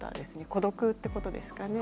孤独ってことですかね。